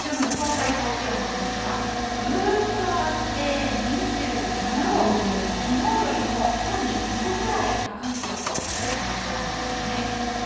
最高気温なんですが、ぐーっと上がって、２７度、きのうよりもさらに２度くらい高い気温となりそうなんですね。